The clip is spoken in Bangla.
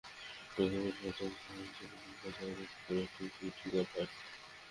লক্ষ্মীপুর সদর থানায় তাঁর নিখোঁজ হওয়ার ব্যাপারে একটি জিডি করা হয়।